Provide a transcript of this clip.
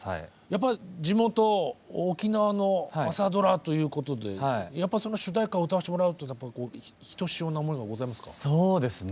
やっぱり地元沖縄の朝ドラということでやっぱその主題歌を歌わせてもらうっていうのはひとしおな思いがございますか？